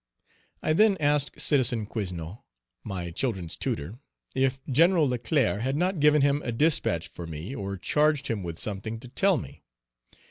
I then asked Citizen Coisnon, my children's tutor, if Gen. Leclerc had not given him a dispatch for me or charged him with something to tell me.